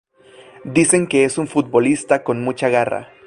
Dicen que es un futbolista con mucha garra.